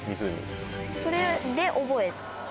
それで覚えて。